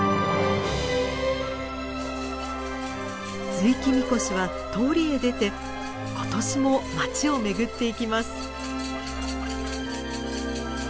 ずいき神輿は通りへ出て今年も町を巡っていきます。